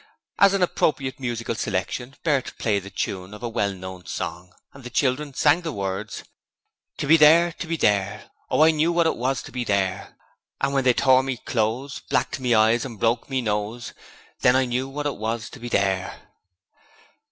As an appropriate musical selection Bert played the tune of a well known song, and the children sang the words: 'To be there! to be there! Oh, I knew what it was to be there! And when they tore me clothes, Blacked me eyes and broke me nose, Then I knew what it was to be there!'